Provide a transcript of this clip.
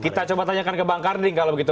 kita coba tanyakan ke bang karding kalau begitu